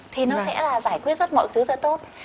thì nó sẽ là giải quyết rất mọi thứ rất tốt